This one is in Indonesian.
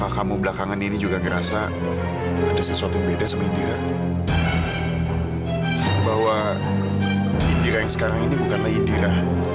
sampai jumpa di video selanjutnya